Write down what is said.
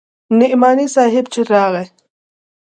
نعماني صاحب چې راغى.